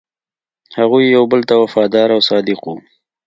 هغوی یو بل ته وفادار او صادق وو.